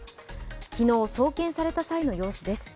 昨日、送検された際の様子です。